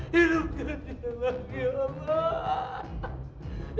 hidupkan dia lagi ya allah